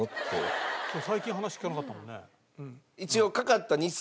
最近話聞かなかったもんね。